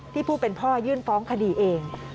ผู้เป็นพ่อยื่นฟ้องคดีเอง